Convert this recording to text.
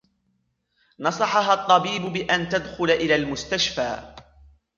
نصحها الطبيب بأن تدخل إلى المستشفى.